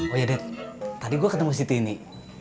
oh iya dad tadi gue ketemu siti ini